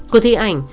của thị ảnh